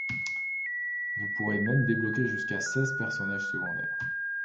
Vous pourrez même débloquer jusqu'à seize personnages secondaires.